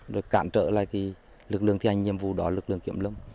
rồi cản trở lại lực lượng thi hành nhiệm vụ đó lực lượng kiểm lâm